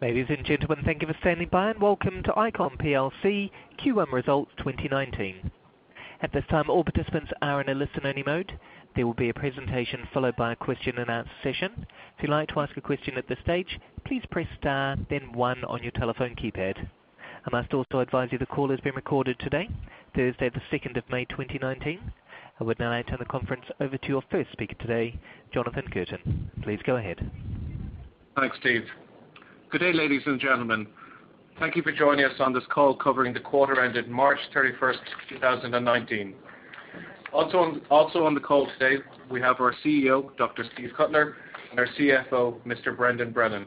Ladies and gentlemen, thank you for standing by, and welcome to ICON plc Q1 Results 2019. At this time, all participants are in a listen-only mode. There will be a presentation followed by a question and answer session. If you'd like to ask a question at this stage, please press star then one on your telephone keypad. I must also advise you the call is being recorded today, Thursday, May 2, 2019. I would now like to turn the conference over to your first speaker today, Jonathan Curtain. Please go ahead. Thanks, Steve. Good day, ladies and gentlemen. Thank you for joining us on this call covering the quarter ended March 31, 2019. Also on the call today we have our CEO, Dr. Steve Cutler, and our CFO, Mr. Brendan Brennan.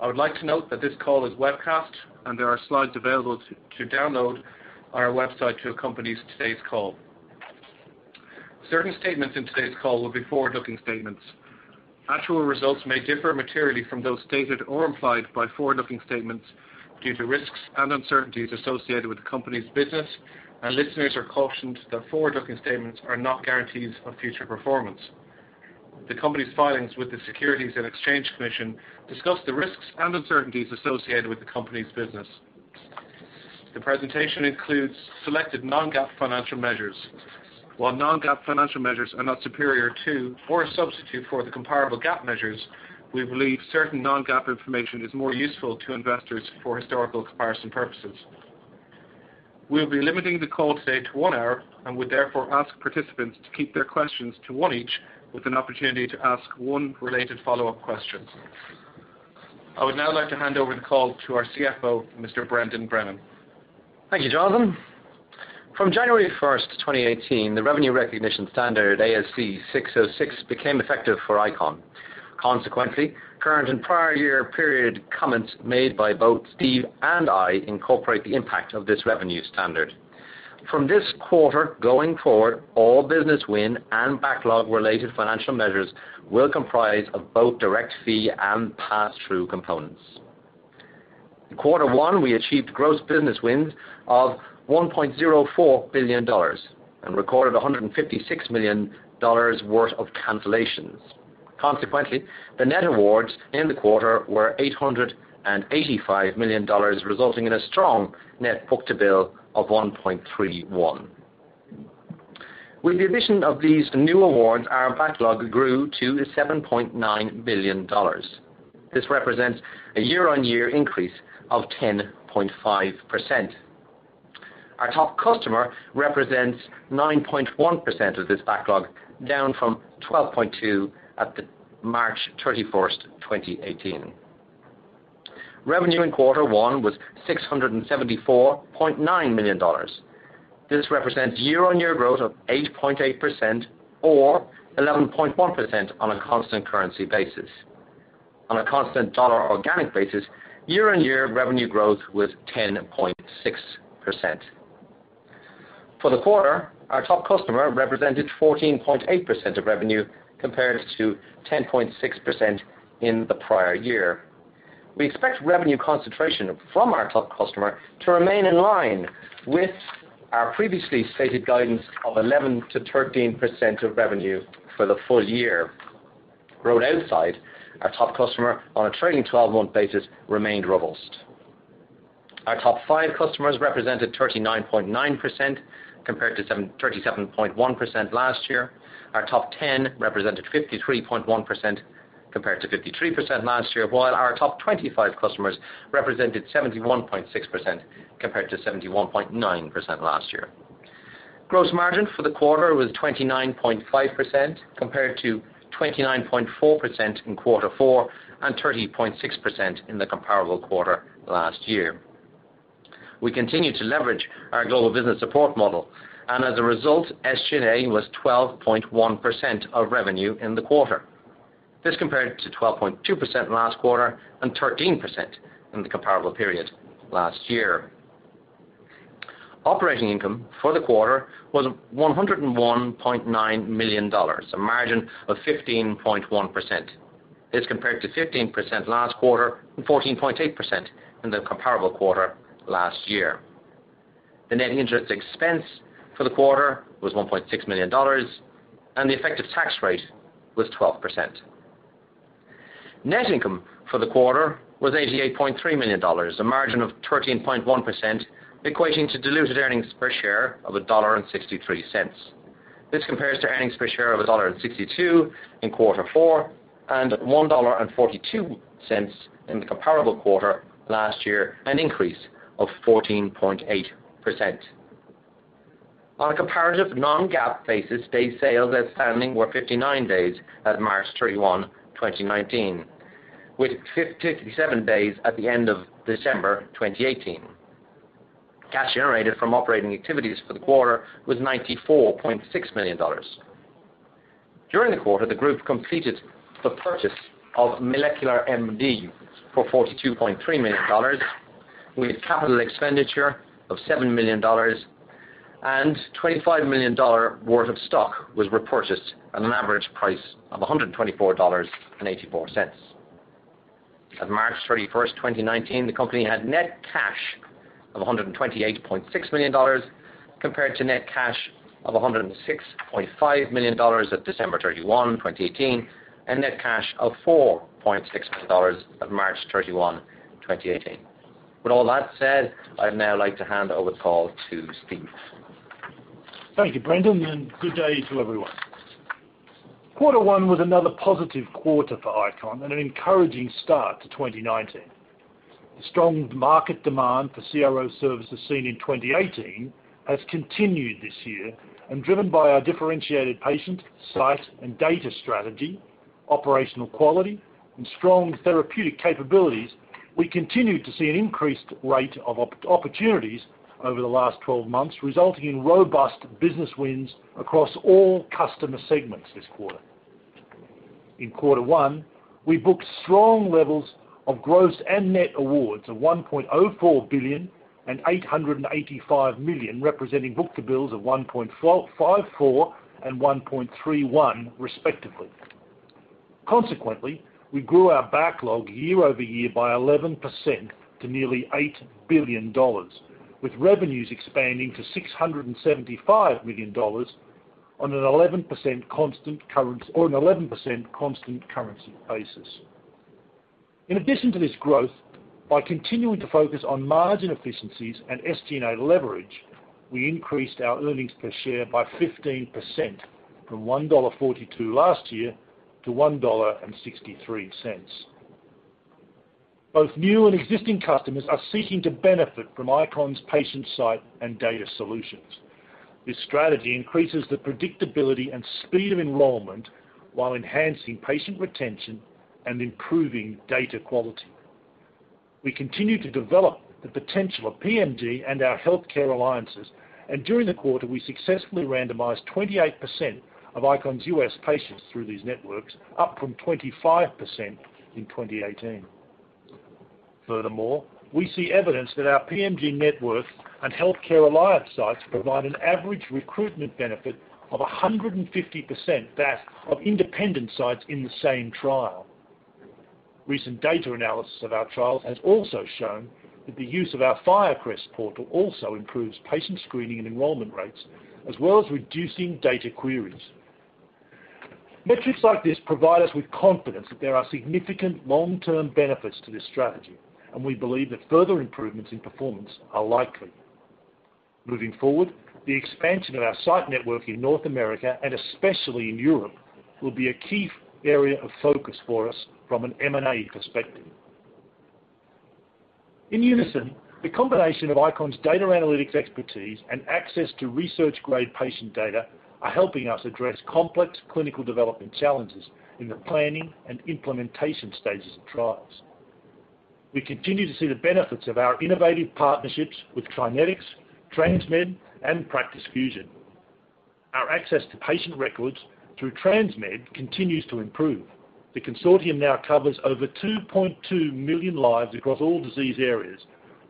I would like to note that this call is webcast, and there are slides available to download on our website to accompany today's call. Certain statements in today's call will be forward-looking statements. Actual results may differ materially from those stated or implied by forward-looking statements due to risks and uncertainties associated with the company's business, and listeners are cautioned that forward-looking statements are not guarantees of future performance. The company's filings with the Securities and Exchange Commission discuss the risks and uncertainties associated with the company's business. The presentation includes selected non-GAAP financial measures. While non-GAAP financial measures are not superior to, or a substitute for, the comparable GAAP measures, we believe certain non-GAAP information is more useful to investors for historical comparison purposes. We'll be limiting the call today to one hour, and would therefore ask participants to keep their questions to one each, with an opportunity to ask one related follow-up question. I would now like to hand over the call to our CFO, Mr. Brendan Brennan. Thank you, Jonathan. From January 1, 2018, the revenue recognition standard ASC 606 became effective for ICON. Consequently, current and prior year period comments made by both Steve and I incorporate the impact of this revenue standard. From this quarter going forward, all business win and backlog related financial measures will comprise of both direct fee and passthrough components. In quarter one, we achieved gross business wins of $1.04 billion, and recorded $156 million worth of cancellations. Consequently, the net awards in the quarter were $885 million, resulting in a strong net book-to-bill of 1.31. With the addition of these new awards, our backlog grew to $7.9 billion. This represents a year-on-year increase of 10.5%. Our top customer represents 9.1% of this backlog, down from 12.2 at March 31, 2018. Revenue in quarter one was $674.9 million. This represents year-on-year growth of 8.8%, or 11.1% on a constant currency basis. On a constant dollar organic basis, year-on-year revenue growth was 10.6%. For the quarter, our top customer represented 14.8% of revenue compared to 10.6% in the prior year. We expect revenue concentration from our top customer to remain in line with our previously stated guidance of 11%-13% of revenue for the full year. Growth outside our top customer on a trailing 12-month basis remained robust. Our top 5 customers represented 39.9%, compared to 37.1% last year. Our top 10 represented 53.1%, compared to 53% last year. While our top 25 customers represented 71.6%, compared to 71.9% last year. Gross margin for the quarter was 29.5%, compared to 29.4% in quarter four, and 30.6% in the comparable quarter last year. We continue to leverage our global business support model, and as a result, SG&A was 12.1% of revenue in the quarter. This compared to 12.2% last quarter, and 13% in the comparable period last year. Operating income for the quarter was $101.9 million, a margin of 15.1%. This compared to 15% last quarter, and 14.8% in the comparable quarter last year. The net interest expense for the quarter was $1.6 million, and the effective tax rate was 12%. Net income for the quarter was $88.3 million, a margin of 13.1%, equating to diluted earnings per share of $1.63. This compares to earnings per share of $1.62 in quarter four, and $1.42 in the comparable quarter last year, an increase of 14.8%. On a comparative non-GAAP basis, days sales outstanding were 59 days at March 31, 2019, with 57 days at the end of December 2018. Cash generated from operating activities for the quarter was $94.6 million. During the quarter, the group completed the purchase of MolecularMD for $42.3 million, with capital expenditure of $7 million and $25 million worth of stock was repurchased at an average price of $124.84. At March 31, 2019, the company had net cash of $128.6 million compared to net cash of $106.5 million at December 31, 2018, and net cash of $4.6 million at March 31, 2018. With all that said, I'd now like to hand over the call to Steve. Thank you, Brendan, and good day to everyone. Quarter one was another positive quarter for ICON and an encouraging start to 2019. The strong market demand for CRO services seen in 2018 has continued this year, and driven by our differentiated patient, site, and data strategy, operational quality, and strong therapeutic capabilities, we continued to see an increased rate of opportunities over the last 12-months, resulting in robust business wins across all customer segments this quarter. In quarter one, we booked strong levels of gross and net awards of $1.04 billion and $885 million, representing book to bills of 1.54 and 1.31 respectively. Consequently, we grew our backlog year-over-year by 11% to nearly $8 billion, with revenues expanding to $675 million on an 11% constant currency basis. In addition to this growth, by continuing to focus on margin efficiencies and SG&A leverage, we increased our earnings per share by 15%, from $1.42 last year to $1.63. Both new and existing customers are seeking to benefit from ICON's patient site and data solutions. This strategy increases the predictability and speed of enrollment while enhancing patient retention and improving data quality. We continue to develop the potential of PMG and our healthcare alliances, and during the quarter, we successfully randomized 28% of ICON's U.S. patients through these networks, up from 25% in 2018. We see evidence that our PMG networks and healthcare alliance sites provide an average recruitment benefit of 150% that of independent sites in the same trial. Recent data analysis of our trials has also shown that the use of our FIRECREST portal also improves patient screening and enrollment rates, as well as reducing data queries. Metrics like this provide us with confidence that there are significant long-term benefits to this strategy, and we believe that further improvements in performance are likely. Moving forward, the expansion of our site network in North America, and especially in Europe, will be a key area of focus for us from an M&A perspective. In unison, the combination of ICON's data analytics expertise and access to research-grade patient data are helping us address complex clinical development challenges in the planning and implementation stages of trials. We continue to see the benefits of our innovative partnerships with TriNetX, TransMed, and Practice Fusion. Our access to patient records through TransMed continues to improve. The consortium now covers over 2.2 million lives across all disease areas,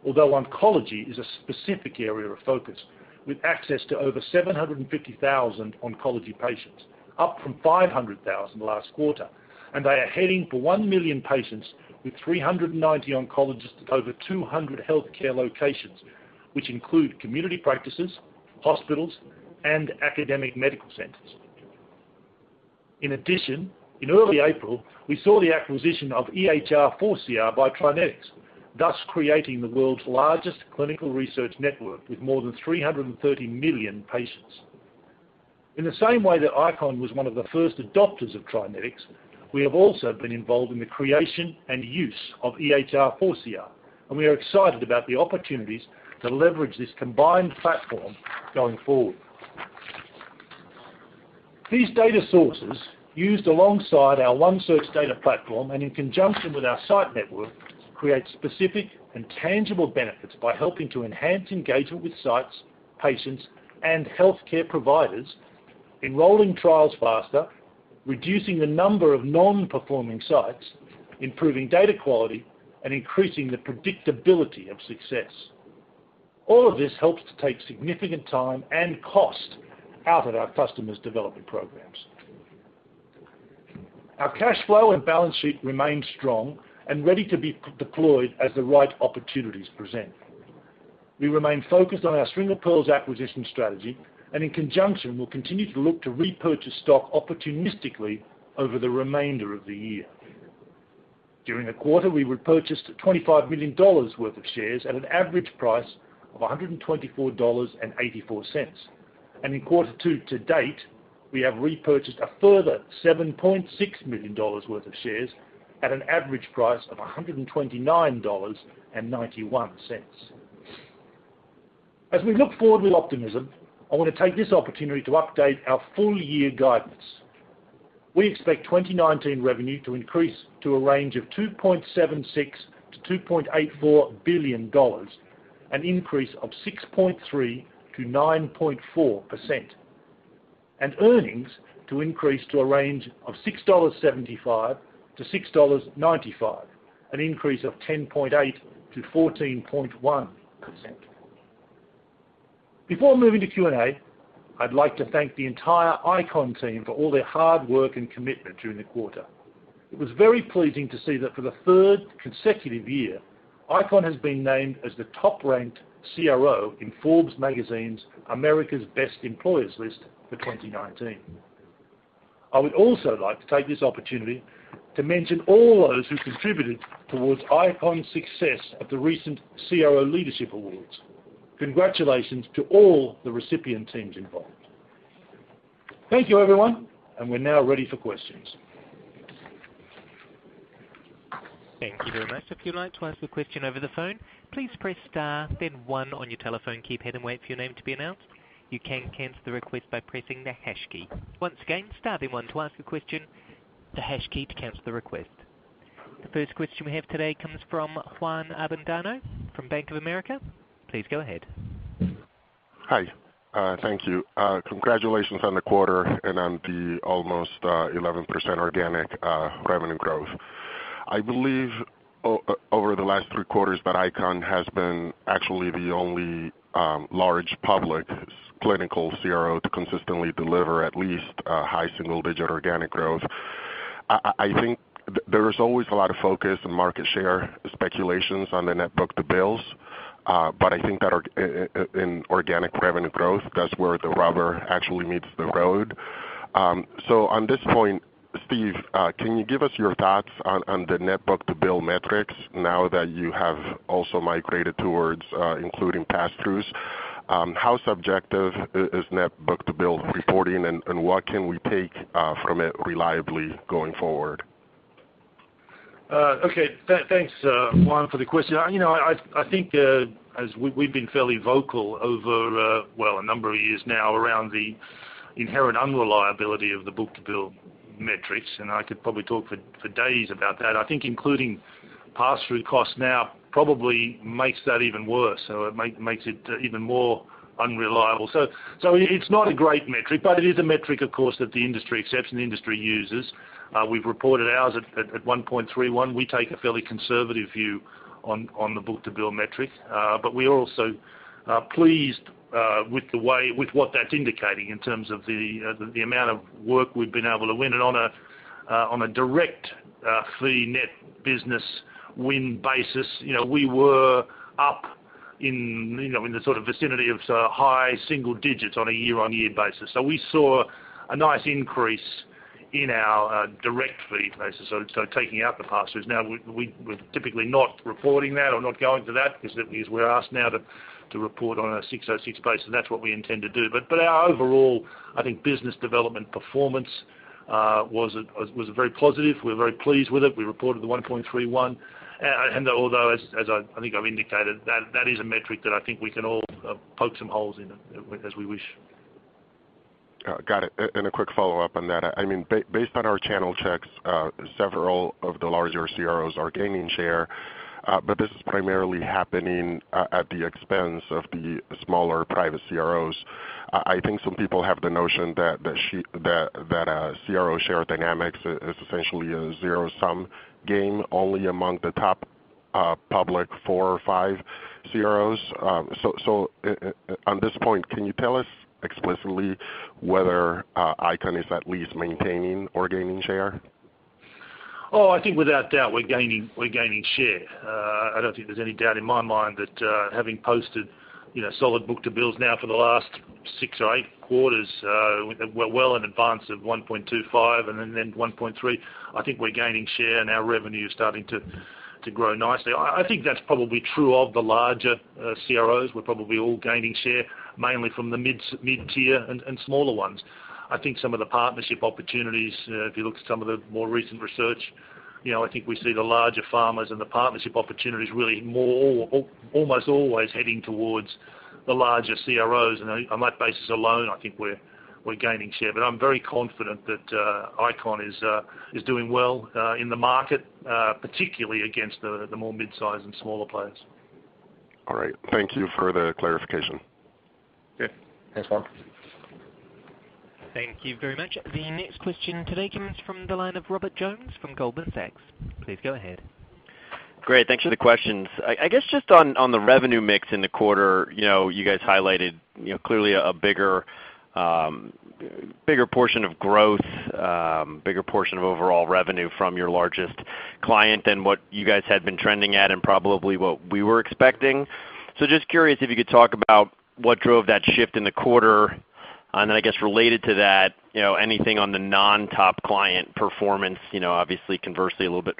although oncology is a specific area of focus, with access to over 750,000 oncology patients, up from 500,000 last quarter, and they are heading for 1 million patients with 390 oncologists at over 200 healthcare locations, which include community practices, hospitals, and academic medical centers. In addition, in early April, we saw the acquisition of EHR4CR by TriNetX, thus creating the world's largest clinical research network with more than 330 million patients. In the same way that ICON was one of the first adopters of TriNetX, we have also been involved in the creation and use of EHR4CR, and we are excited about the opportunities to leverage this combined platform going forward. These data sources, used alongside our OneSearch data platform and in conjunction with our site network, create specific and tangible benefits by helping to enhance engagement with sites, patients, and healthcare providers, enrolling trials faster, reducing the number of non-performing sites, improving data quality, and increasing the predictability of success. All of this helps to take significant time and cost out of our customers' development programs. Our cash flow and balance sheet remain strong and ready to be deployed as the right opportunities present. We remain focused on our string of pearls acquisition strategy and, in conjunction, will continue to look to repurchase stock opportunistically over the remainder of the year. During the quarter, we repurchased $25 million worth of shares at an average price of $124.84. In quarter 2 to date, we have repurchased a further $7.6 million worth of shares at an average price of $129.91. As we look forward with optimism, I want to take this opportunity to update our full year guidance. We expect 2019 revenue to increase to a range of $2.76 billion-$2.84 billion, an increase of 6.3%-9.4%, and earnings to increase to a range of $6.75-$6.95, an increase of 10.8%-14.1%. Before moving to Q&A, I'd like to thank the entire ICON team for all their hard work and commitment during the quarter. It was very pleasing to see that for the third consecutive year, ICON has been named as the top-ranked CRO in Forbes Magazine's America's Best Employers list for 2019. I would also like to take this opportunity to mention all those who contributed towards ICON's success at the recent CRO Leadership Awards. Congratulations to all the recipient teams involved. Thank you, everyone, and we're now ready for questions. Thank you very much. If you'd like to ask a question over the phone, please press star then one on your telephone keypad and wait for your name to be announced. You can cancel the request by pressing the hash key. Once again, star then one to ask a question, the hash key to cancel the request. The first question we have today comes from Juan Avendano from Bank of America. Please go ahead. Hi. Thank you. Congratulations on the quarter and on the almost 11% organic revenue growth. I believe over the last three quarters that ICON has been actually the only large public clinical CRO to consistently deliver at least a high single-digit organic growth. I think there is always a lot of focus on market share speculations on the net book-to-bills, but I think that in organic revenue growth, that's where the rubber actually meets the road. On this point, Steve, can you give us your thoughts on the net book-to-bill metrics now that you have also migrated towards including pass-throughs? How subjective is net book-to-bill reporting and what can we take from it reliably going forward? Thanks, Juan, for the question. I think as we've been fairly vocal over, well, a number of years now around the inherent unreliability of the book-to-bill metrics, I could probably talk for days about that. I think including pass-through costs now probably makes that even worse. It makes it even more unreliable. It's not a great metric, but it is a metric, of course, that the industry accepts and the industry uses. We've reported ours at 1.31. We take a fairly conservative view on the book-to-bill metric. We are also pleased with what that's indicating in terms of the amount of work we've been able to win. On a direct fee net business win basis, we were up in the sort of vicinity of high single digits on a year-on-year basis. We saw a nice increase in our direct fee basis, so taking out the pass-throughs. We're typically not reporting that or not going to that because we're asked to report on a 606 basis. That's what we intend to do. Our overall, I think, business development performance was very positive. We're very pleased with it. We reported the 1.31, and although, as I think I've indicated, that is a metric that I think we can all poke some holes in it as we wish. Got it. A quick follow-up on that. Based on our channel checks, several of the larger CROs are gaining share. This is primarily happening at the expense of the smaller private CROs. I think some people have the notion that CRO share dynamics is essentially a zero-sum game only among the top public four or five CROs. On this point, can you tell us explicitly whether ICON is at least maintaining or gaining share? I think without a doubt we're gaining share. I don't think there's any doubt in my mind that having posted solid book-to-bills now for the last six or eight quarters, we're well in advance of 1.25 and then 1.3. I think we're gaining share, and our revenue is starting to grow nicely. I think that's probably true of the larger CROs. We're probably all gaining share, mainly from the mid-tier and smaller ones. I think some of the partnership opportunities, if you look at some of the more recent research, I think we see the larger pharmas and the partnership opportunities really almost always heading towards the larger CROs. On that basis alone, I think we're gaining share. I'm very confident that ICON is doing well in the market, particularly against the more midsize and smaller players. All right. Thank you for the clarification. Yeah. Thanks, Juan. Thank you very much. The next question today comes from the line of Robert Jones from Goldman Sachs. Please go ahead. Great. Thanks for the questions. I guess just on the revenue mix in the quarter, you guys highlighted clearly a bigger portion of growth, bigger portion of overall revenue from your largest client than what you guys had been trending at and probably what we were expecting. Just curious if you could talk about what drove that shift in the quarter, and then I guess related to that, anything on the non-top client performance, obviously conversely, a little bit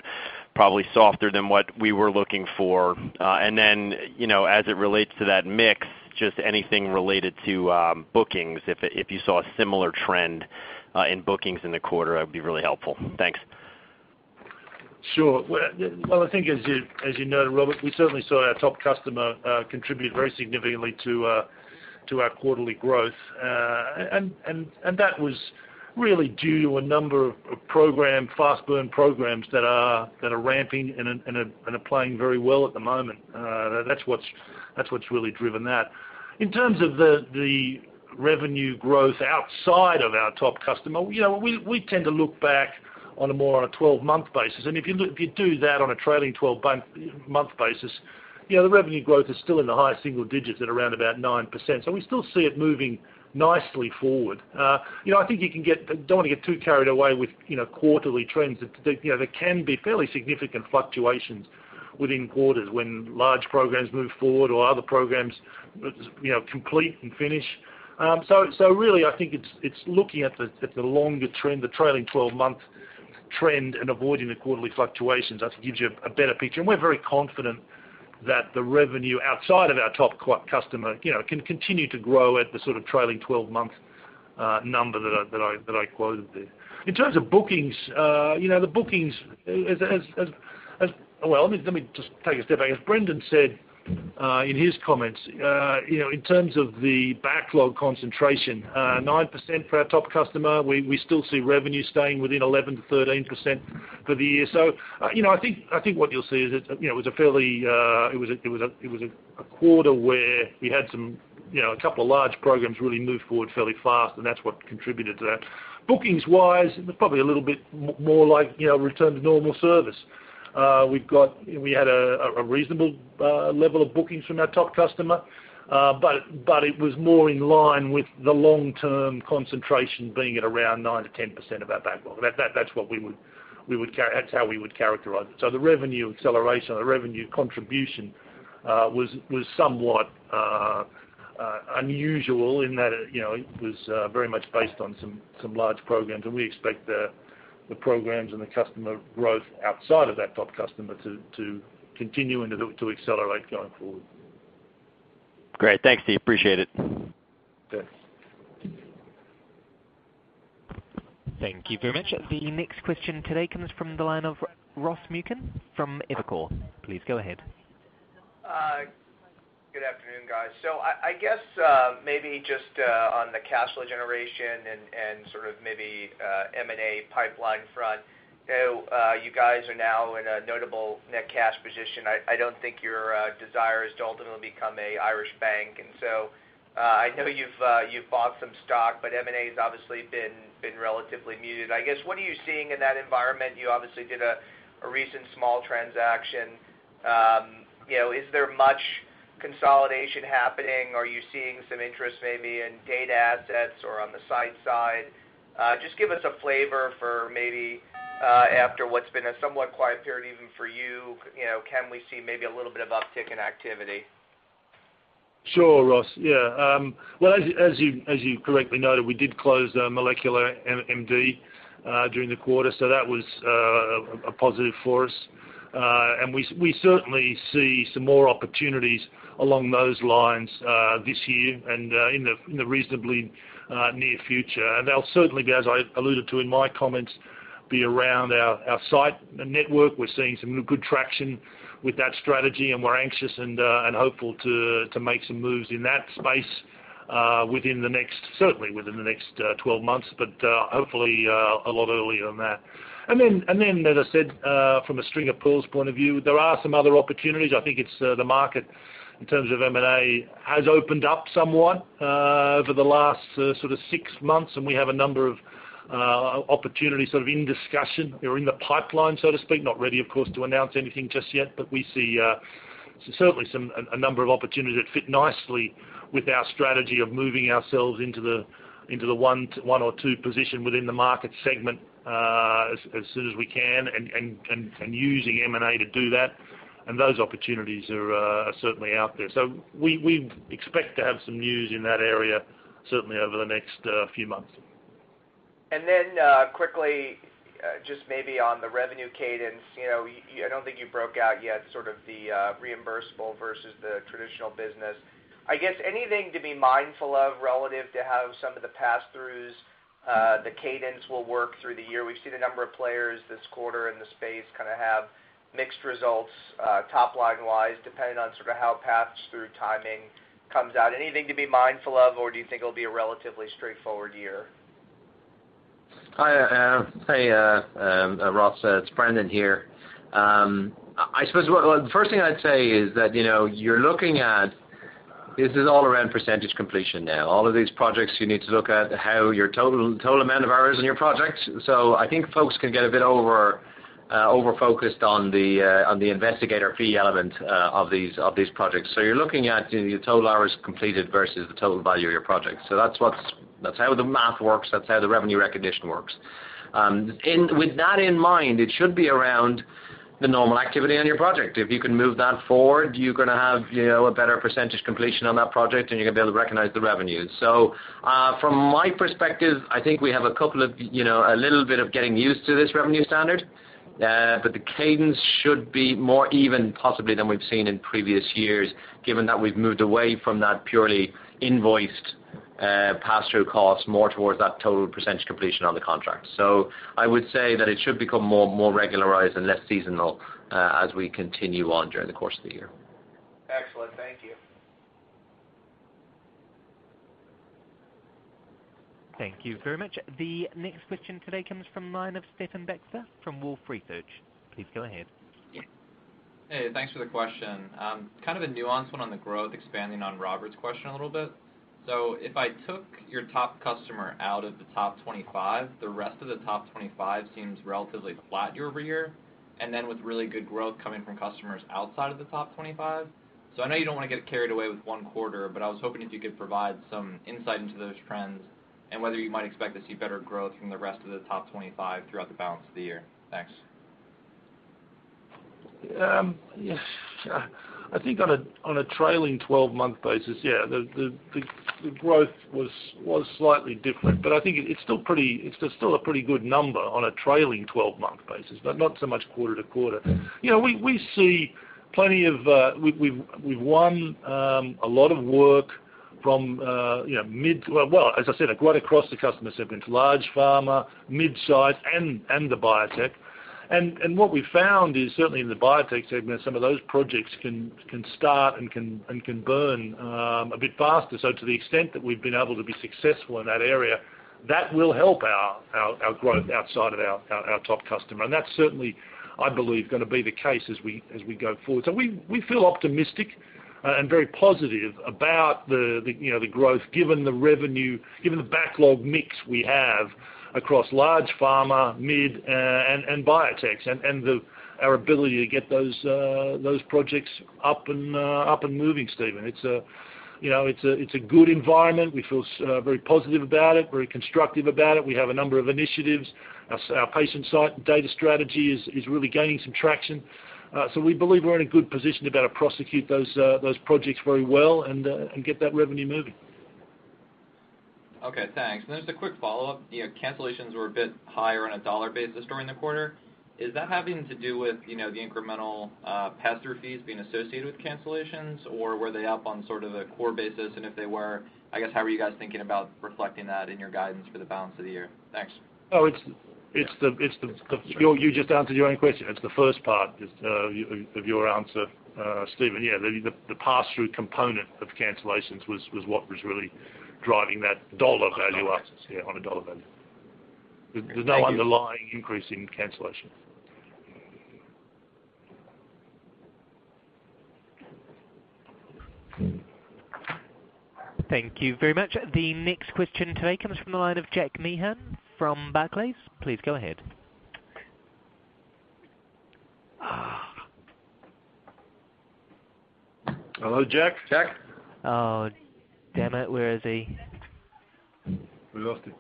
probably softer than what we were looking for. As it relates to that mix, just anything related to bookings, if you saw a similar trend in bookings in the quarter, that would be really helpful. Thanks. Sure. Well, I think as you know, Robert, we certainly saw our top customer contribute very significantly to our quarterly growth. That was really due to a number of fast burn programs that are ramping and are playing very well at the moment. That's what's really driven that. In terms of the revenue growth outside of our top customer, we tend to look back on a 12-month basis. If you do that on a trailing 12-month basis, the revenue growth is still in the high single digits at around about 9%. We still see it moving nicely forward. I think you don't want to get too carried away with quarterly trends. There can be fairly significant fluctuations within quarters when large programs move forward or other programs complete and finish. Really, I think it's looking at the longer trend, the trailing 12-month trend, and avoiding the quarterly fluctuations. I think it gives you a better picture. We're very confident that the revenue outside of our top customer can continue to grow at the sort of trailing 12-month number that I quoted there. In terms of bookings, the bookings, well, let me just take a step back. As Brendan said in his comments, in terms of the backlog concentration, 9% for our top customer. We still see revenue staying within 11%-13% for the year. I think what you'll see is it was a quarter where you had a couple of large programs really move forward fairly fast, and that's what contributed to that. Bookings-wise, probably a little bit more like return to normal service. We had a reasonable level of bookings from our top customer, it was more in line with the long-term concentration being at around 9%-10% of our backlog. That's how we would characterize it. The revenue acceleration or the revenue contribution was somewhat unusual in that it was very much based on some large programs, and we expect the programs and the customer growth outside of that top customer to continue and to accelerate going forward. Great. Thanks, Steve. Appreciate it. Okay. Thank you very much. The next question today comes from the line of Ross Muken from Evercore. Please go ahead. Good afternoon, guys. I guess maybe just on the cash flow generation and sort of maybe M&A pipeline front. You guys are now in a notable net cash position. I don't think your desire is to ultimately become an Irish bank. I know you've bought some stock, but M&A's obviously been relatively muted. I guess, what are you seeing in that environment? You obviously did a recent small transaction. Is there much consolidation happening? Are you seeing some interest maybe in data assets or on the site side? Just give us a flavor for maybe after what's been a somewhat quiet period even for you, can we see maybe a little bit of uptick in activity? Sure, Ross. As you correctly noted, we did close MolecularMD during the quarter, so that was a positive for us. We certainly see some more opportunities along those lines this year and in the reasonably near future. They'll certainly be, as I alluded to in my comments, be around our site network. We're seeing some good traction with that strategy, and we're anxious and hopeful to make some moves in that space within the next, certainly within the next 12 months, but hopefully a lot earlier than that. As I said, from a string of pearls point of view, there are some other opportunities. I think it's the market in terms of M&A has opened up somewhat over the last sort of 6 months, and we have a number of opportunities sort of in discussion or in the pipeline, so to speak. Not ready, of course, to announce anything just yet, but we see certainly a number of opportunities that fit nicely with our strategy of moving ourselves into the 1 or 2 position within the market segment as soon as we can and using M&A to do that. Those opportunities are certainly out there. We expect to have some news in that area certainly over the next few months. Quickly, just maybe on the revenue cadence. I don't think you broke out yet sort of the reimbursable versus the traditional business. I guess anything to be mindful of relative to how some of the pass-throughs, the cadence will work through the year? We've seen a number of players this quarter in the space kind of have mixed results top line-wise, depending on sort of how pass-through timing comes out. Anything to be mindful of, or do you think it'll be a relatively straightforward year? Hi, Ross. It's Brendan here. I suppose the first thing I'd say is that you're looking at this is all around percentage completion now. All of these projects you need to look at how your total amount of hours in your projects. I think folks can get a bit over-focused on the investigator fee element of these projects. You're looking at the total hours completed versus the total value of your project. That's how the math works, that's how the revenue recognition works. With that in mind, it should be around the normal activity on your project. If you can move that forward, you're going to have a better percentage completion on that project, and you're going to be able to recognize the revenues. From my perspective, I think we have a little bit of getting used to this revenue standard. The cadence should be more even possibly than we've seen in previous years, given that we've moved away from that purely invoiced pass-through cost more towards that total percentage completion on the contract. I would say that it should become more regularized and less seasonal as we continue on during the course of the year. Thank you very much. The next question today comes from the line of Stephen Baxter from Wolfe Research. Please go ahead. Hey, thanks for the question. Kind of a nuanced one on the growth, expanding on Robert's question a little bit. If I took your top customer out of the top 25, the rest of the top 25 seems relatively flat year-over-year, and then with really good growth coming from customers outside of the top 25. I know you don't want to get carried away with one quarter, but I was hoping if you could provide some insight into those trends and whether you might expect to see better growth from the rest of the top 25 throughout the balance of the year. Thanks. Yes. I think on a trailing 12-month basis, yeah, the growth was slightly different. I think it's still a pretty good number on a trailing 12-month basis, but not so much quarter-to-quarter. We've won a lot of work from mid Well, as I said, right across the customer segment, large pharma, mid-size, and the biotech. What we've found is certainly in the biotech segment, some of those projects can start and can burn a bit faster. To the extent that we've been able to be successful in that area, that will help our growth outside of our top customer. That's certainly, I believe, going to be the case as we go forward. We feel optimistic and very positive about the growth given the revenue, given the backlog mix we have across large pharma, mid, and biotechs, and our ability to get those projects up and moving, Stephen. It's a good environment. We feel very positive about it, very constructive about it. We have a number of initiatives. Our patient site data strategy is really gaining some traction. We believe we're in a good position to better prosecute those projects very well and get that revenue moving. Okay, thanks. Just a quick follow-up. Cancellations were a bit higher on a dollar basis during the quarter. Is that having to do with the incremental pass-through fees being associated with cancellations, or were they up on sort of a core basis? If they were, I guess how are you guys thinking about reflecting that in your guidance for the balance of the year? Thanks. Oh, you just answered your own question. It's the first part of your answer, Stephen. Yeah, the pass-through component of cancellations was what was really driving that dollar value up. Okay. Yeah, on a dollar value. Thank you. There's no underlying increase in cancellation. Thank you very much. The next question today comes from the line of Jack Meehan from Barclays. Please go ahead. Hello, Jack? Jack? Oh, damn it. Where is he? We lost him.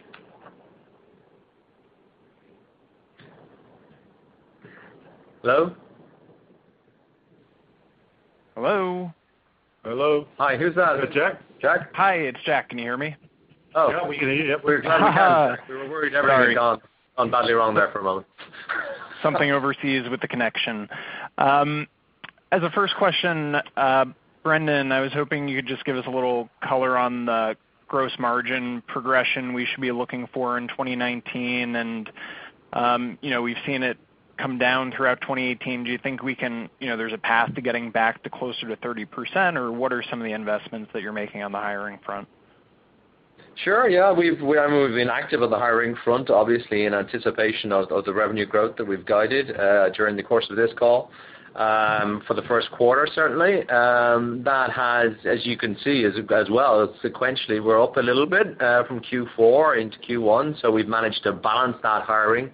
Hello? Hello. Hello. Hi, who's that? Is that Jack? Jack? Hi, it's Jack. Can you hear me? Oh. Yeah, we can hear you. We were trying to hear, Jack. We were worried everybody had gone. Sorry. Gone badly wrong there for a moment. Something overseas with the connection. As a first question, Brendan, I was hoping you could just give us a little color on the gross margin progression we should be looking for in 2019. We've seen it come down throughout 2018. Do you think there's a path to getting back to closer to 30%, or what are some of the investments that you're making on the hiring front? Sure. Yeah, we've been active on the hiring front, obviously, in anticipation of the revenue growth that we've guided during the course of this call. For the first quarter, certainly. That has, as you can see as well, sequentially, we're up a little bit from Q4 into Q1, so we've managed to balance that hiring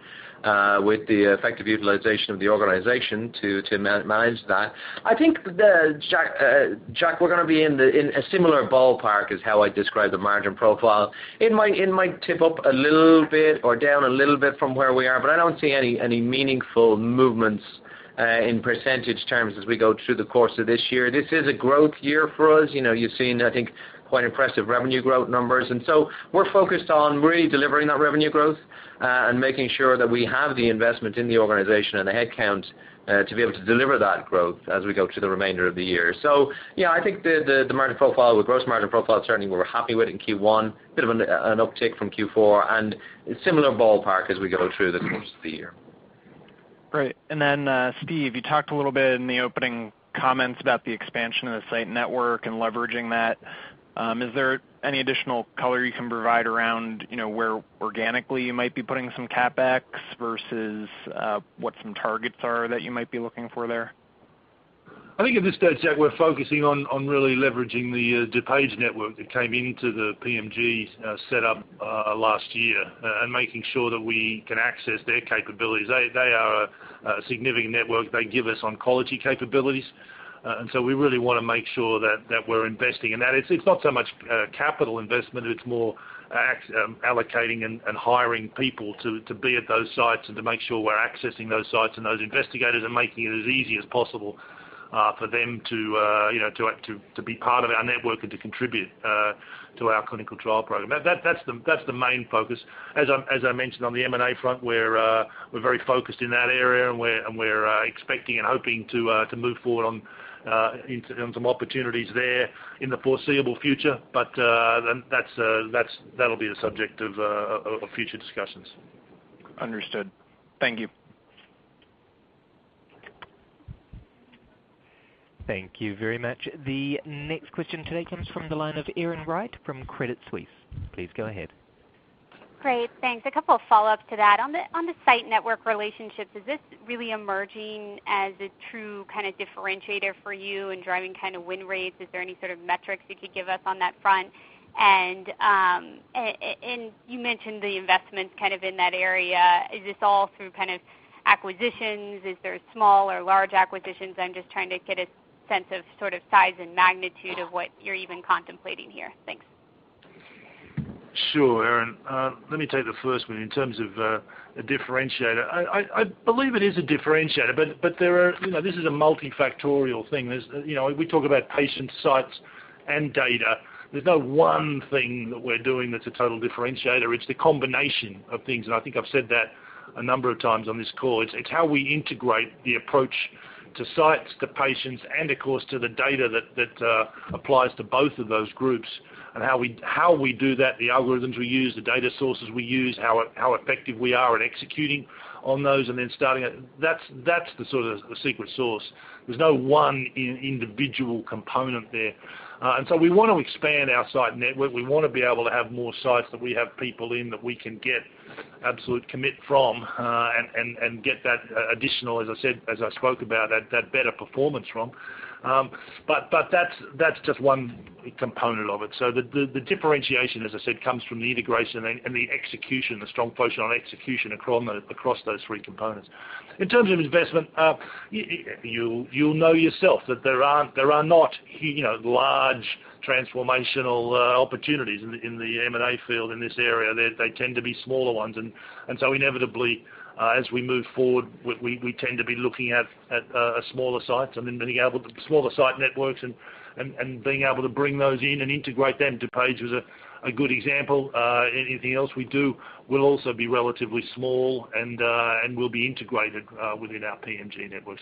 with the effective utilization of the organization to manage that. I think, Jack, we're going to be in a similar ballpark is how I'd describe the margin profile. It might tip up a little bit or down a little bit from where we are, but I don't see any meaningful movements in percentage terms as we go through the course of this year. This is a growth year for us. You've seen, I think, quite impressive revenue growth numbers. We're focused on really delivering that revenue growth, and making sure that we have the investment in the organization and the headcount to be able to deliver that growth as we go through the remainder of the year. Yeah, I think the margin profile, the gross margin profile, certainly we're happy with in Q1, a bit of an uptick from Q4 and similar ballpark as we go through the course of the year. Great. Steve, you talked a little bit in the opening comments about the expansion of the site network and leveraging that. Is there any additional color you can provide around where organically you might be putting some CapEx versus what some targets are that you might be looking for there? I think at this stage, Jack, we're focusing on really leveraging the DuPage network that came into the PMG set up last year, and making sure that we can access their capabilities. They are a significant network. They give us oncology capabilities. We really want to make sure that we're investing in that. It's not so much capital investment, it's more allocating and hiring people to be at those sites and to make sure we're accessing those sites and those investigators and making it as easy as possible for them to be part of our network and to contribute to our clinical trial program. That's the main focus. As I mentioned on the M&A front, we're very focused in that area, and we're expecting and hoping to move forward on some opportunities there in the foreseeable future. That'll be the subject of future discussions. Understood. Thank you. Thank you very much. The next question today comes from the line of Erin Wright from Credit Suisse. Please go ahead. Great. Thanks. A couple of follow-ups to that. On the site network relationship, is this really emerging as a true differentiator for you in driving win rates? Is there any sort of metrics you could give us on that front? You mentioned the investments kind of in that area. Is there small or large acquisitions? I'm just trying to get a sense of size and magnitude of what you're even contemplating here. Thanks. Sure, Erin. Let me take the first one. In terms of a differentiator, I believe it is a differentiator, this is a multifactorial thing. We talk about patient sites and data. There's no one thing that we're doing that's a total differentiator. It's the combination of things, I think I've said that a number of times on this call. It's how we integrate the approach to sites, to patients, and of course, to the data that applies to both of those groups. How we do that, the algorithms we use, the data sources we use, how effective we are at executing on those, and then starting it. That's the sort of the secret sauce. There's no one individual component there. So we want to expand our site network. We want to be able to have more sites that we have people in that we can get absolute commit from and get that additional, as I spoke about, that better performance from. That's just one component of it. The differentiation, as I said, comes from the integration and the execution, the strong focus on execution across those three components. In terms of investment, you'll know yourself that there are not large transformational opportunities in the M&A field in this area. They tend to be smaller ones. Inevitably, as we move forward, we tend to be looking at smaller sites and then being able to smaller site networks and being able to bring those in and integrate them. DuPage was a good example. Anything else we do will also be relatively small and will be integrated within our PMG network.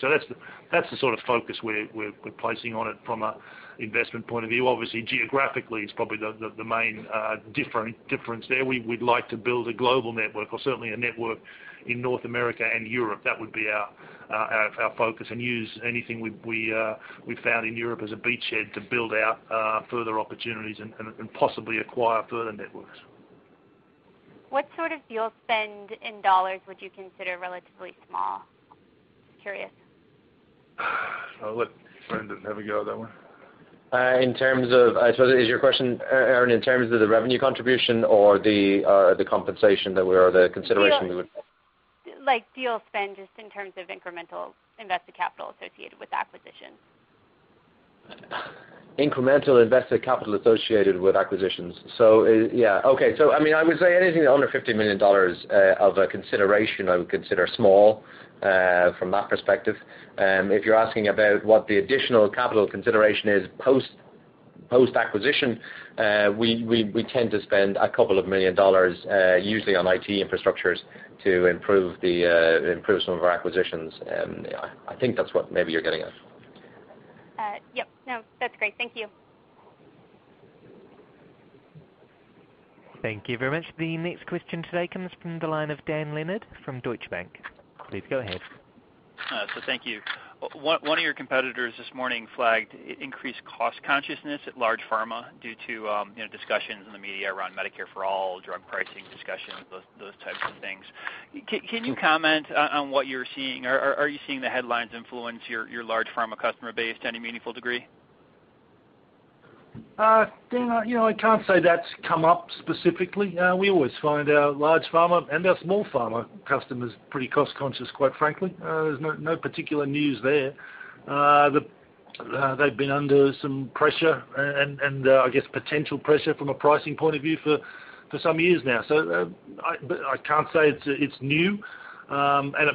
That's the sort of focus we're placing on it from an investment point of view. Obviously, geographically is probably the main difference there. We'd like to build a global network or certainly a network in North America and Europe. That would be our focus and use anything we've found in Europe as a beachhead to build out further opportunities and possibly acquire further networks. What sort of deal spend in dollars would you consider relatively small? Curious. I'll let Brendan have a go at that one. I suppose, is your question, Erin, in terms of the revenue contribution or the consideration. Like deal spend just in terms of incremental invested capital associated with acquisitions. Incremental invested capital associated with acquisitions. Yeah. Okay. I would say anything under $50 million of a consideration I would consider small from that perspective. If you're asking about what the additional capital consideration is post-acquisition, we tend to spend a couple of million dollars usually on IT infrastructures to improve some of our acquisitions. I think that's what maybe you're getting at. Yep. No, that's great. Thank you. Thank you very much. The next question today comes from the line of Dan Leonard from Deutsche Bank. Please go ahead. Thank you. One of your competitors this morning flagged increased cost consciousness at large pharma due to discussions in the media around Medicare for All, drug pricing discussions, those types of things. Can you comment on what you're seeing? Are you seeing the headlines influence your large pharma customer base to any meaningful degree? Dan, I can't say that's come up specifically. We always find our large pharma and our small pharma customers pretty cost conscious, quite frankly. There's no particular news there. They've been under some pressure and I guess potential pressure from a pricing point of view for some years now. I can't say it's new. I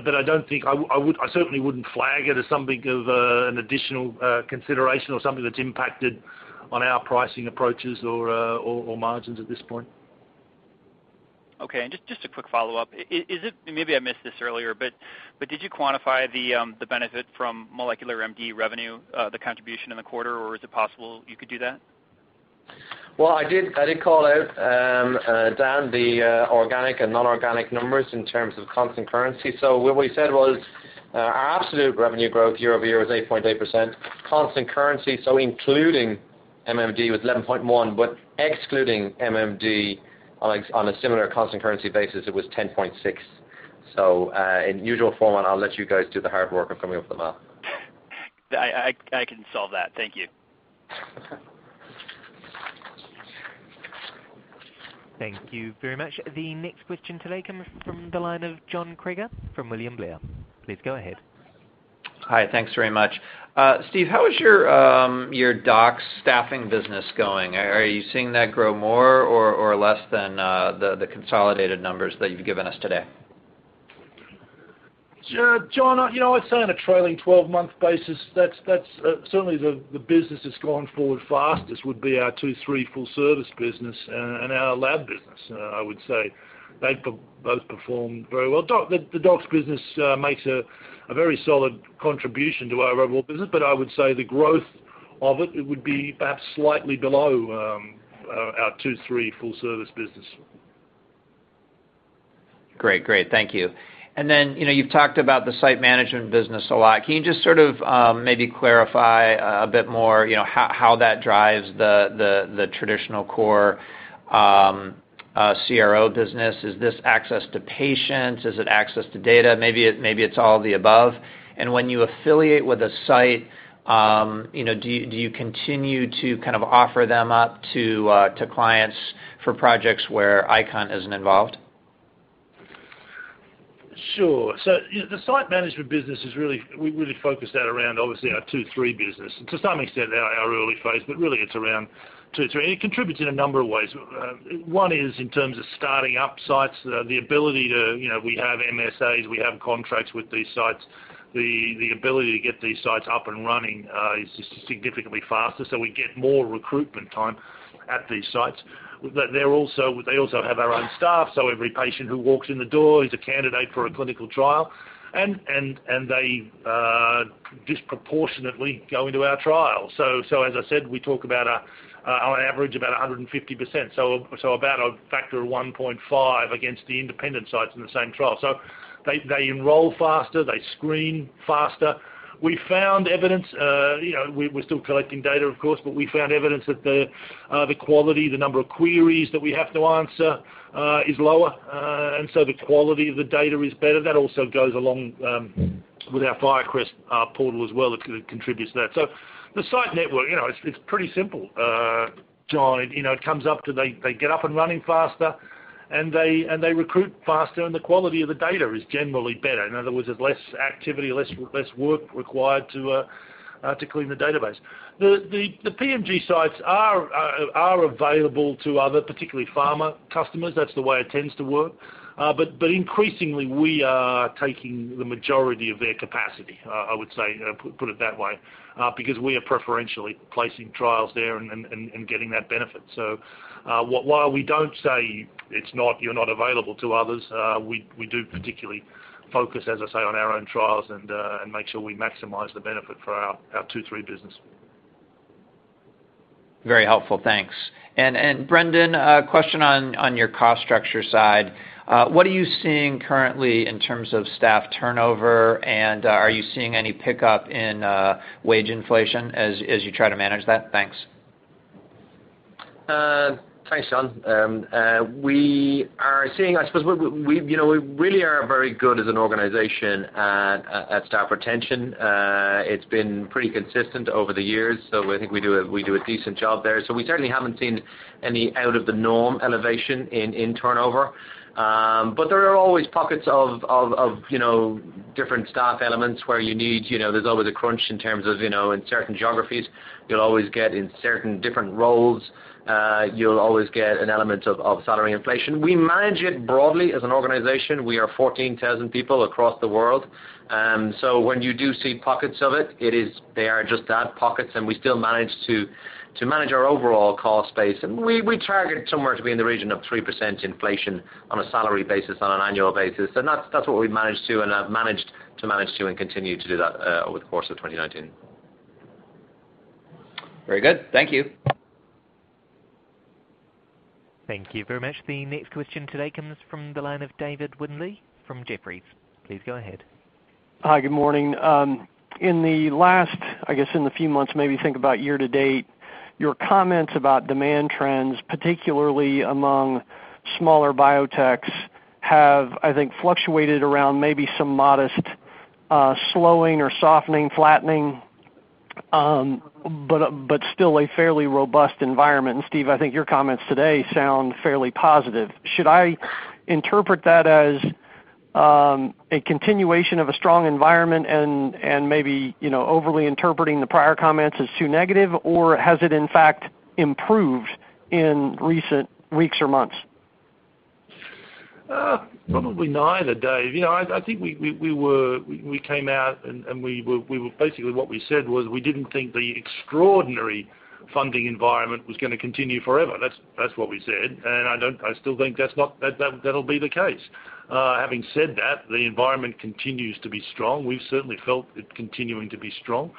certainly wouldn't flag it as something of an additional consideration or something that's impacted on our pricing approaches or margins at this point. Okay. Just a quick follow-up. Maybe I missed this earlier, but did you quantify the benefit from MolecularMD revenue, the contribution in the quarter, or is it possible you could do that? Well, I did call out, Dan, the organic and non-organic numbers in terms of constant currency. What we said was our absolute revenue growth year-over-year was 8.8%. Constant currency, including MolecularMD, was 11.1, but excluding MolecularMD on a similar constant currency basis, it was 10.6. In usual format, I'll let you guys do the hard work of coming up with the math. I can solve that. Thank you. Thank you very much. The next question today comes from the line of John Kreger from William Blair. Please go ahead. Hi. Thanks very much. Steve, how is your DOCS staffing business going? Are you seeing that grow more or less than the consolidated numbers that you've given us today? John, I'd say on a trailing 12-month basis, certainly the business that's gone forward fastest would be our phase II/III full service business and our lab business. I would say they've both performed very well. The DOCS business makes a very solid contribution to our overall business, but I would say the growth of it would be perhaps slightly below our phase II/III full service business. Great. Thank you. You've talked about the site management business a lot. Can you just maybe clarify a bit more how that drives the traditional core CRO business? Is this access to patients? Is it access to data? Maybe it's all the above. When you affiliate with a site, do you continue to offer them up to clients for projects where ICON isn't involved? Sure. The site management business is really focused around obviously our phase II/III business. To some extent our early phase, but really it's around phase II/III. It contributes in a number of ways. One is in terms of starting up sites, the ability to, we have MSAs, we have contracts with these sites. The ability to get these sites up and running is significantly faster, so we get more recruitment time at these sites. They also have our own staff, so every patient who walks in the door is a candidate for a clinical trial. They disproportionately go into our trial. As I said, we talk about our average about 150%, so about a factor of 1.5 against the independent sites in the same trial. They enroll faster, they screen faster. We're still collecting data, of course, we found evidence that the quality, the number of queries that we have to answer is lower. The quality of the data is better. That also goes along with our FIRECREST portal as well. It contributes to that. The site network, it's pretty simple, John. They get up and running faster, and they recruit faster, and the quality of the data is generally better. In other words, there's less activity, less work required to clean the database. The PMG sites are available to other, particularly pharma customers. That's the way it tends to work. Increasingly, we are taking the majority of their capacity, I would say, put it that way. Because we are preferentially placing trials there and getting that benefit. While we don't say you're not available to others, we do particularly focus, as I say, on our own trials and make sure we maximize the benefit for our two, three business. Very helpful. Thanks. Brendan, a question on your cost structure side. What are you seeing currently in terms of staff turnover, and are you seeing any pickup in wage inflation as you try to manage that? Thanks. Thanks, John. We really are very good as an organization at staff retention. It's been pretty consistent over the years, so I think we do a decent job there. We certainly haven't seen any out of the norm elevation in turnover. There are always pockets of different staff elements where you need, there's always a crunch in terms of certain geographies. You'll always get in certain different roles. You'll always get an element of salary inflation. We manage it broadly as an organization. We are 14,000 people across the world. When you do see pockets of it, they are just that, pockets, and we still manage to manage our overall cost base. We target somewhere to be in the region of 3% inflation on a salary basis, on an annual basis. That's what we've managed to, and have managed to and continue to do that over the course of 2019. Very good. Thank you. Thank you very much. The next question today comes from the line of David Windley from Jefferies. Please go ahead. Hi, good morning. In the last, I guess in the few months, maybe think about year-to-date, your comments about demand trends, particularly among smaller biotechs, have, I think, fluctuated around maybe some modest slowing or softening, flattening but still a fairly robust environment. Steve, I think your comments today sound fairly positive. Should I interpret that as a continuation of a strong environment and maybe overly interpreting the prior comments as too negative, or has it in fact improved in recent weeks or months? Probably neither, Dave. I think we came out and basically what we said was we didn't think the extraordinary funding environment was going to continue forever. That's what we said. I still think that'll be the case. Having said that, the environment continues to be strong. We've certainly felt it continuing to be strong.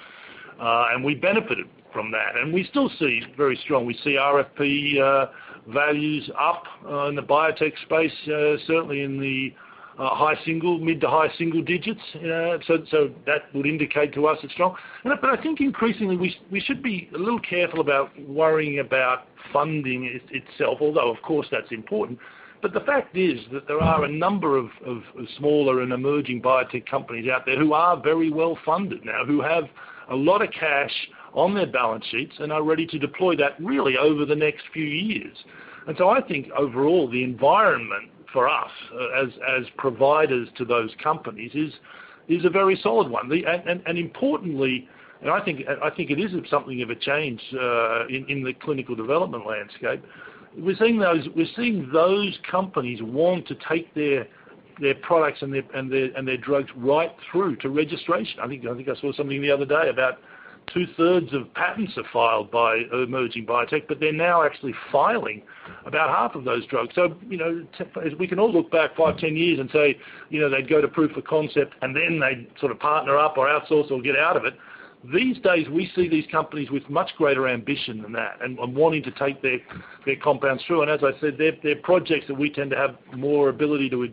We benefited from that. We still see very strong. We see RFP values up in the biotech space, certainly in the mid to high single digits. That would indicate to us it's strong. I think increasingly, we should be a little careful about worrying about funding itself, although, of course, that's important. The fact is that there are a number of smaller and emerging biotech companies out there who are very well-funded now, who have a lot of cash on their balance sheets and are ready to deploy that really over the next few years. I think overall, the environment for us as providers to those companies is a very solid one. Importantly, and I think it is something of a change in the clinical development landscape, we're seeing those companies want to take their products and their drugs right through to registration. I think I saw something the other day about two-thirds of patents are filed by emerging biotech, but they're now actually filing about half of those drugs. We can all look back five, 10 years and say, they'd go to proof of concept, and then they'd sort of partner up or outsource or get out of it. These days, we see these companies with much greater ambition than that and wanting to take their compounds through. As I said, they're projects that we tend to have more ability to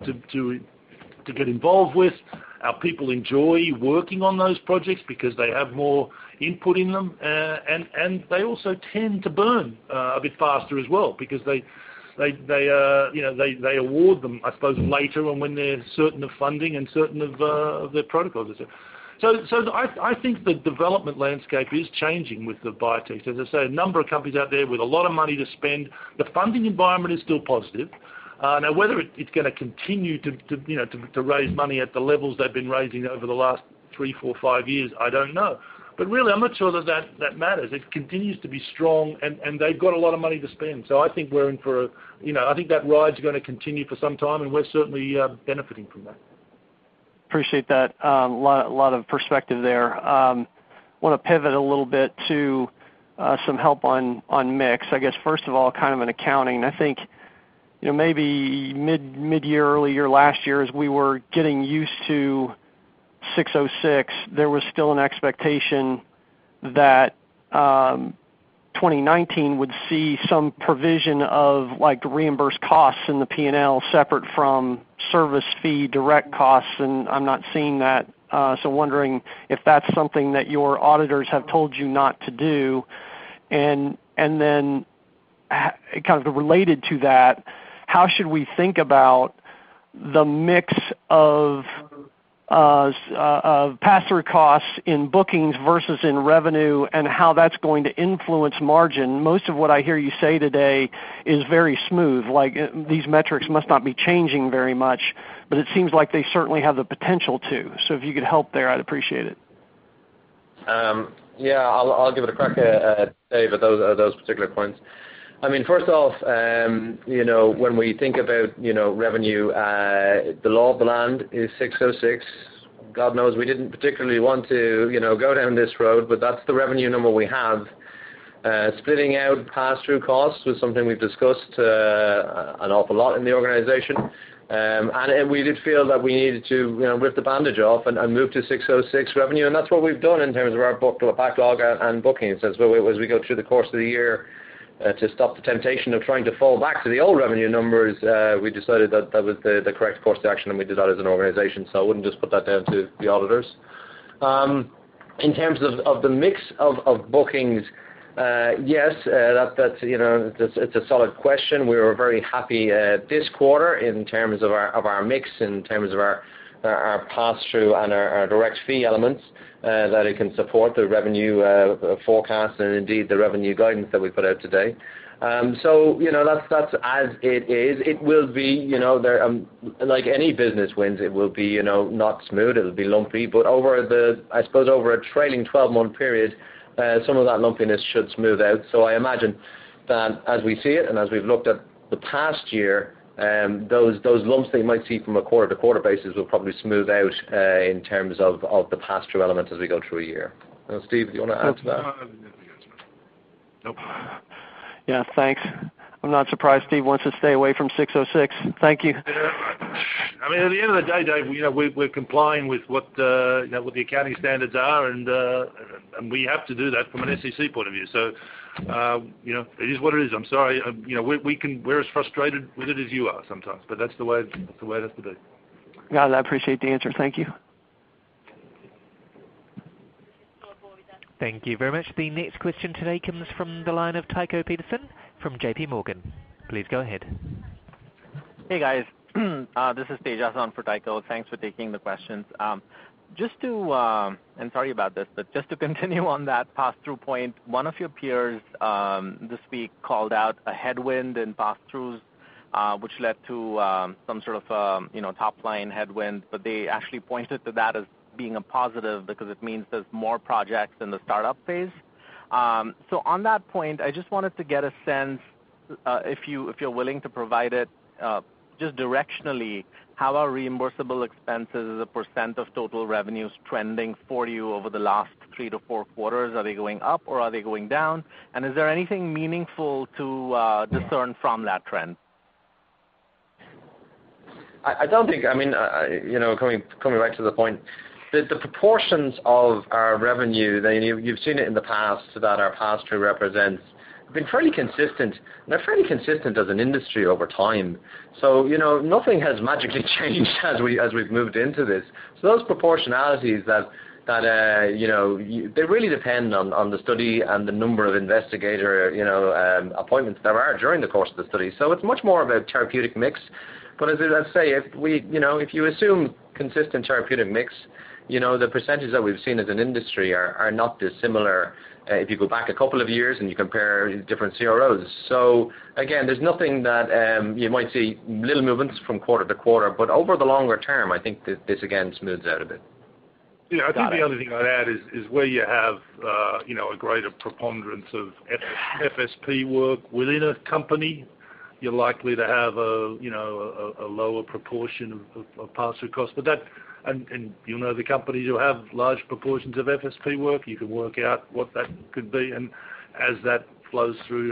get involved with. Our people enjoy working on those projects because they have more input in them. They also tend to burn a bit faster as well because they award them, I suppose, later on when they're certain of funding and certain of their protocols. I think the development landscape is changing with the biotechs. As I say, a number of companies out there with a lot of money to spend. The funding environment is still positive. Whether it's going to continue to raise money at the levels they've been raising over the last three, four, five years, I don't know. Really, I'm not sure that matters. It continues to be strong, and they've got a lot of money to spend. I think that ride's going to continue for some time, and we're certainly benefiting from that. Appreciate that. A lot of perspective there. Want to pivot a little bit to some help on mix. I guess first of all, kind of an accounting. I think, maybe mid-year, early year last year, as we were getting used to 606, there was still an expectation that 2019 would see some provision of reimbursed costs in the P&L separate from service fee direct costs, and I'm not seeing that. Wondering if that's something that your auditors have told you not to do. Then, kind of related to that, how should we think about the mix of pass-through costs in bookings versus in revenue and how that's going to influence margin? Most of what I hear you say today is very smooth, like these metrics must not be changing very much, but it seems like they certainly have the potential to. If you could help there, I'd appreciate it. Yeah, I'll give it a crack at Dave at those particular points. First off, when we think about revenue, the law of the land is ASC 606. God knows we didn't particularly want to go down this road, but that's the revenue number we have. Splitting out pass-through costs was something we've discussed an awful lot in the organization. We did feel that we needed to rip the bandage off and move to ASC 606 revenue, and that's what we've done in terms of our backlog and bookings. As we go through the course of the year to stop the temptation of trying to fall back to the old revenue numbers, we decided that that was the correct course of action, and we did that as an organization. I wouldn't just put that down to the auditors. In terms of the mix of bookings, yes, it's a solid question. We were very happy this quarter in terms of our mix, in terms of our pass-through and our direct fee elements, that it can support the revenue forecast and indeed the revenue guidance that we put out today. That's as it is. It will be, like any business wins, it will be not smooth. It'll be lumpy. Over, I suppose, a trailing 12-month period, some of that lumpiness should smooth out. I imagine that as we see it and as we've looked at the past year, those lumps that you might see from a quarter-to-quarter basis will probably smooth out in terms of the pass-through elements as we go through a year. Steve, do you want to add to that? No. Yeah, thanks. I'm not surprised Steve wants to stay away from ASC 606. Thank you. At the end of the day, Dave, we're complying with what the accounting standards are, and we have to do that from an SEC point of view. It is what it is. I'm sorry. We're as frustrated with it as you are sometimes, but that's the way it has to be. Got it. I appreciate the answer. Thank you. Thank you very much. The next question today comes from the line of Tycho Peterson from J.P. Morgan. Please go ahead. Hey, guys. This is Tejas on for Tycho. Thanks for taking the questions. Sorry about this, but just to continue on that pass-through point, one of your peers this week called out a headwind in pass-throughs, which led to some sort of top-line headwind, but they actually pointed to that as being a positive because it means there's more projects in the startup phase. On that point, I just wanted to get a sense, if you're willing to provide it, just directionally, how are reimbursable expenses as a % of total revenues trending for you over the last three to four quarters? Are they going up, or are they going down? And is there anything meaningful to discern from that trend? I don't think. Coming right to the point, the proportions of our revenue, and you've seen it in the past that our pass-through represents, have been fairly consistent, and they're fairly consistent as an industry over time. Nothing has magically changed as we've moved into this. Those proportionalities, they really depend on the study and the number of investigator appointments there are during the course of the study. It's much more of a therapeutic mix. As I say, if you assume consistent therapeutic mix, the percentages that we've seen as an industry are not dissimilar if you go back a couple of years and you compare different CROs. Again, there's nothing that You might see little movements from quarter to quarter, but over the longer term, I think this again smooths out a bit. Yeah. I think the only thing I'd add is where you have a greater preponderance of FSP work within a company, you're likely to have a lower proportion of pass-through costs. You'll know the companies who have large proportions of FSP work. You can work out what that could be, and as that flows through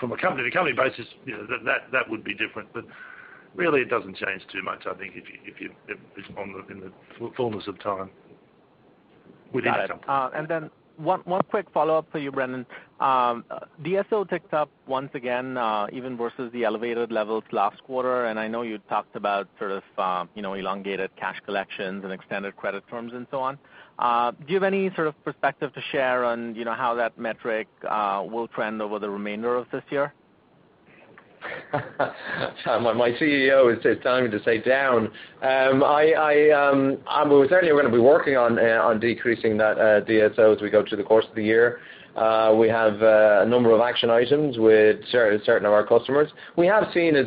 from a company basis, that would be different. Really, it doesn't change too much. I think if it's in the fullness of time, we think so. Got it. One quick follow-up for you, Brendan. DSO ticked up once again even versus the elevated levels last quarter, and I know you talked about elongated cash collections and extended credit terms and so on. Do you have any sort of perspective to share on how that metric will trend over the remainder of this year? My CEO is telling me to say down. We're certainly going to be working on decreasing that DSO as we go through the course of the year. We have a number of action items with a certain number of our customers. We have seen, as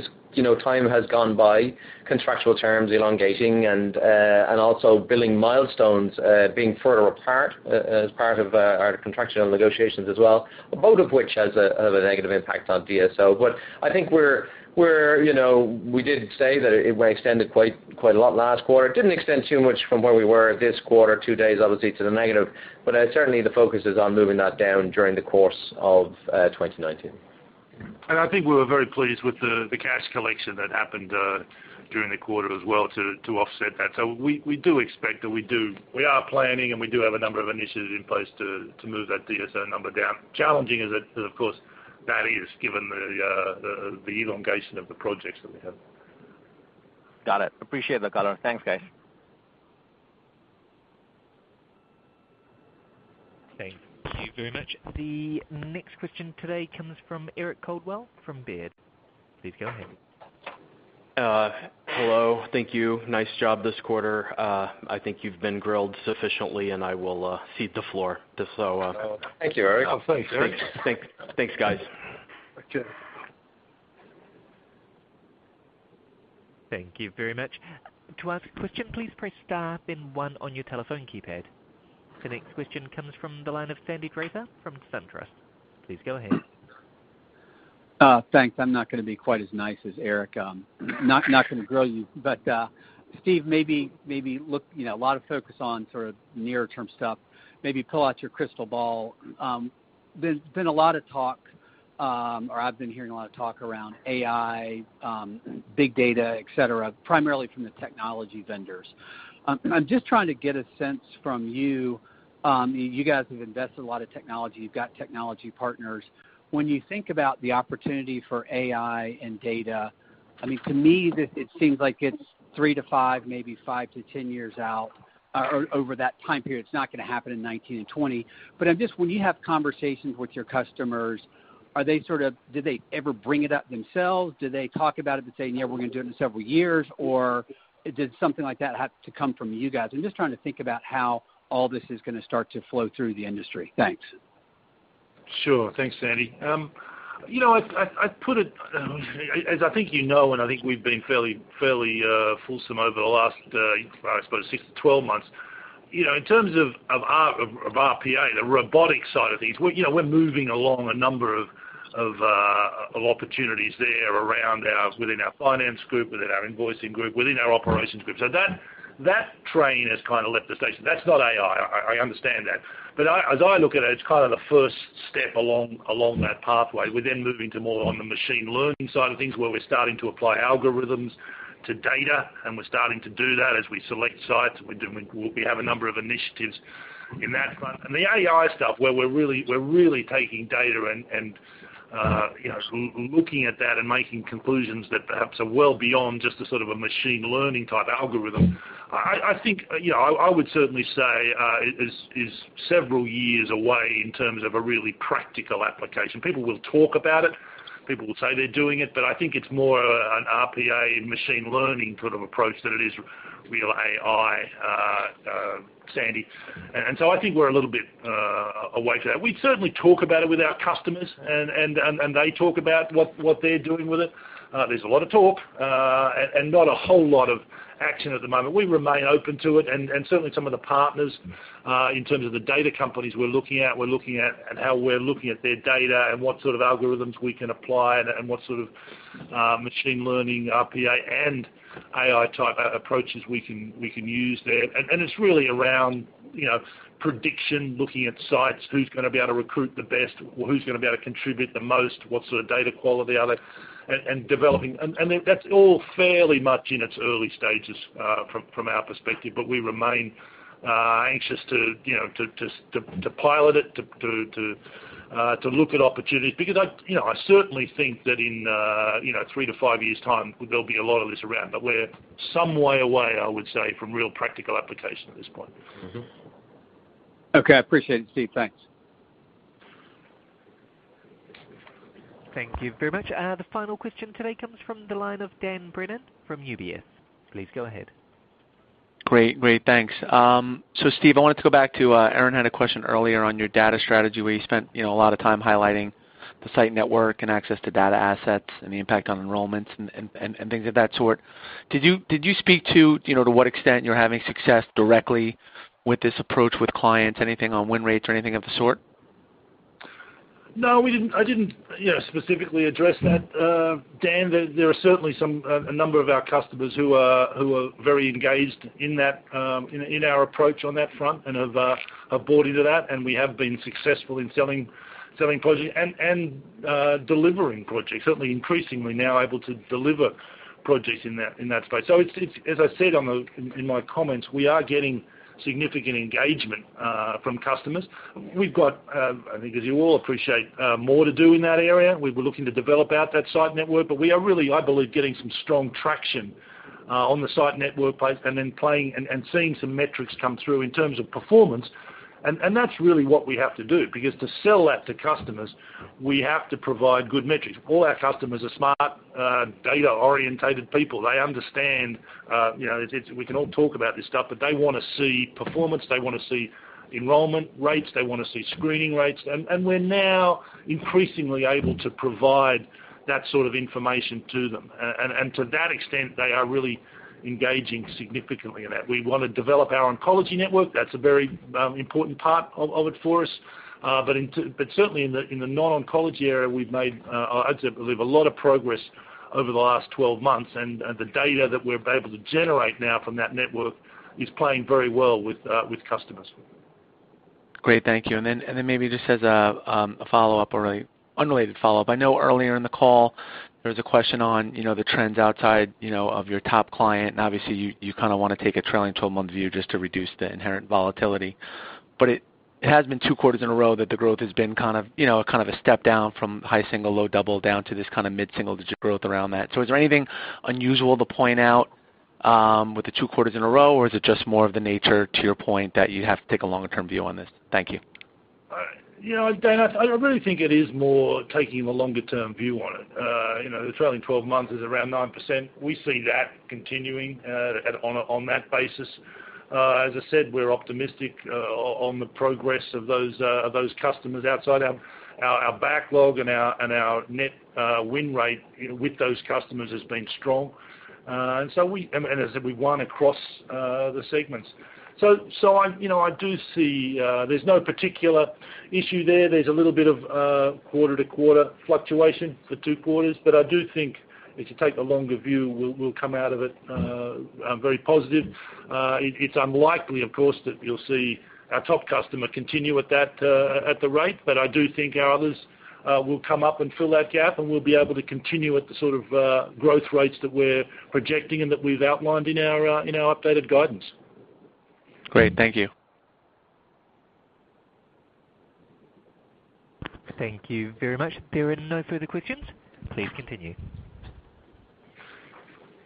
time has gone by, contractual terms elongating and also billing milestones being further apart as part of our contractual negotiations as well, both of which has a negative impact on DSO. I think we did say that it extended quite a lot last quarter. It didn't extend too much from where we were this quarter, two days obviously to the negative, but certainly the focus is on moving that down during the course of 2019. I think we were very pleased with the cash collection that happened during the quarter as well to offset that. We do expect that we do. We are planning and we do have a number of initiatives in place to move that DSO number down. Challenging as of course that is, given the elongation of the projects that we have. Got it. Appreciate the color. Thanks, guys. Thank you very much. The next question today comes from Eric Coldwell from Baird. Please go ahead. Hello. Thank you. Nice job this quarter. I think you've been grilled sufficiently, and I will cede the floor. Thank you, Eric. Thanks, Eric. Thanks, guys. Cheers. Thank you very much. To ask a question, please press star then one on your telephone keypad. The next question comes from the line of Sandy Draper from SunTrust. Please go ahead. Thanks. I'm not going to be quite as nice as Eric. Not going to grill you, Steve, maybe look, a lot of focus on sort of near-term stuff. Maybe pull out your crystal ball. There's been a lot of talk, or I've been hearing a lot of talk around AI, big data, et cetera, primarily from the technology vendors. I'm just trying to get a sense from you. You guys have invested a lot of technology. You've got technology partners. When you think about the opportunity for AI and data, to me, it seems like it's three to five, maybe five to 10 years out, over that time period. It's not going to happen in 2019 and 2020. When you have conversations with your customers, do they ever bring it up themselves? Do they talk about it and say, "Yeah, we're going to do it in several years," or did something like that have to come from you guys? I'm just trying to think about how all this is going to start to flow through the industry. Thanks. Sure. Thanks, Sandy. As I think you know, I think we've been fairly fulsome over the last, I suppose 6-12 months. In terms of RPA, the robotic side of things, we're moving along a number of opportunities there around within our finance group, within our invoicing group, within our operations group. That train has kind of left the station. That's not AI, I understand that. As I look at it's kind of the first step along that pathway. We're then moving to more on the machine learning side of things, where we're starting to apply algorithms to data, and we're starting to do that as we select sites. We have a number of initiatives in that front. The AI stuff, where we're really taking data and looking at that and making conclusions that perhaps are well beyond just a sort of a machine learning type algorithm. I think I would certainly say is several years away in terms of a really practical application. People will talk about it. People will say they're doing it. I think it's more an RPA and machine learning sort of approach than it is real AI, Sandy. I think we're a little bit away from that. We certainly talk about it with our customers, and they talk about what they're doing with it. There's a lot of talk and not a whole lot of action at the moment. We remain open to it. Certainly, some of the partners, in terms of the data companies we're looking at, we're looking at how we're looking at their data and what sort of algorithms we can apply and what sort of machine learning RPA and AI-type approaches we can use there. It's really around prediction, looking at sites, who's going to be able to recruit the best or who's going to be able to contribute the most, what sort of data quality are they, and developing. That's all fairly much in its early stages from our perspective, but we remain anxious to pilot it, to look at opportunities. I certainly think that in three to five years' time, there'll be a lot of this around. We're some way away, I would say, from real practical application at this point. Okay. I appreciate it, Steve. Thanks. Thank you very much. The final question today comes from the line of Dan Brennan from UBS. Please go ahead. Great. Thanks. Steve, I wanted to go back to Erin had a question earlier on your data strategy where you spent a lot of time highlighting the site network and access to data assets and the impact on enrollments and things of that sort. Did you speak to what extent you're having success directly with this approach with clients? Anything on win rates or anything of the sort? No, I didn't specifically address that, Dan. There are certainly a number of our customers who are very engaged in our approach on that front and have bought into that, and we have been successful in selling projects and delivering projects. Certainly increasingly now able to deliver projects in that space. As I said in my comments, we are getting significant engagement from customers. We've got, I think as you all appreciate, more to do in that area. We were looking to develop out that site network, but we are really, I believe, getting some strong traction on the site network place and then playing and seeing some metrics come through in terms of performance. That's really what we have to do, because to sell that to customers, we have to provide good metrics. All our customers are smart, data-orientated people. They understand, we can all talk about this stuff, but they want to see performance. They want to see enrollment rates, they want to see screening rates. We're now increasingly able to provide that sort of information to them. To that extent, they are really engaging significantly in that. We want to develop our oncology network. That's a very important part of it for us. But certainly in the non-oncology area, we've made, I'd believe, a lot of progress over the last 12 months. The data that we're able to generate now from that network is playing very well with customers. Great. Thank you. Then maybe just as a follow-up or unrelated follow-up. I know earlier in the call there was a question on the trends outside of your top client, and obviously you kind of want to take a trailing 12-month view just to reduce the inherent volatility. But it has been two quarters in a row that the growth has been kind of a step down from high single, low double down to this kind of mid-single-digit growth around that. Is there anything unusual to point out with the two quarters in a row? Is it just more of the nature, to your point, that you have to take a longer-term view on this? Thank you. Dan, I really think it is more taking the longer-term view on it. The trailing 12 months is around 9%. We see that continuing on that basis. As I said, we're optimistic on the progress of those customers outside our backlog and our net win rate with those customers has been strong. As I said, we won across the segments. I do see there's no particular issue there. There's a little bit of quarter-to-quarter fluctuation for two quarters. I do think if you take a longer view, we'll come out of it very positive. It's unlikely, of course, that you'll see our top customer continue at the rate. I do think our others will come up and fill that gap, and we'll be able to continue at the sort of growth rates that we're projecting and that we've outlined in our updated guidance. Great. Thank you. Thank you very much. There are no further questions. Please continue.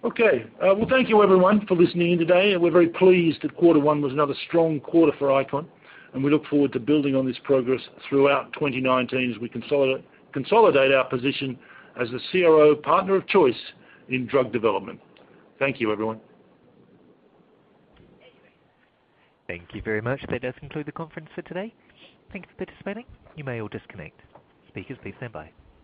Okay. Well, thank you everyone for listening in today. We're very pleased that quarter one was another strong quarter for ICON, we look forward to building on this progress throughout 2019 as we consolidate our position as the CRO partner of choice in drug development. Thank you, everyone. Thank you very much. That does conclude the conference for today. Thank you for participating. You may all disconnect. Speakers, please stand by.